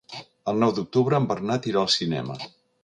El nou d'octubre en Bernat irà al cinema.